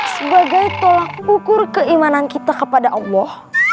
sebagai tolak ukur keimanan kita kepada allah